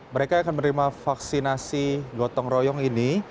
mereka akan menerima vaksinasi gotong royong ini